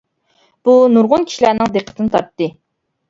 بۇ نۇرغۇن كىشىلەرنىڭ دىققىتىنى تارتتى.